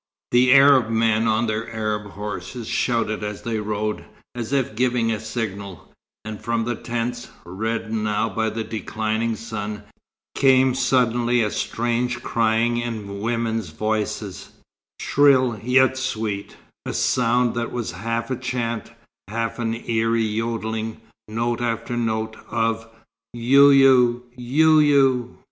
The Arab men on their Arab horses shouted as they rode, as if giving a signal; and from the tents, reddened now by the declining sun, came suddenly a strange crying in women's voices, shrill yet sweet; a sound that was half a chant, half an eerie yodeling, note after note of "you you! you you!"